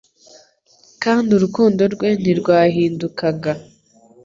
kandi urukundo rwe ntirwahindukaga